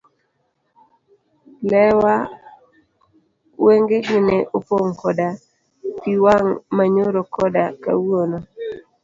Lewa wengegi ne opong' koda pii wang' ma nyoro koda kawuono.